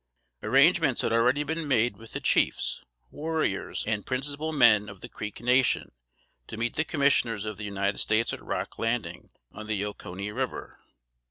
Arrangements had already been made with the chiefs, warriors and principal men of the Creek nation, to meet the Commissioners of the United States at Rock Landing, on the Oconee River.